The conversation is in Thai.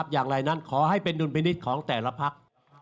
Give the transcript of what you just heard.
อย่างไรนั้นขอให้เป็นดุลพินิษฐ์ของแต่ละพัก